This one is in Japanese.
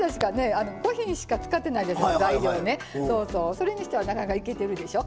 それにしてはなかなかいけてるでしょ。